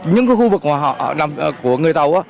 những cái khu vực của người tàu